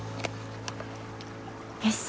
よし。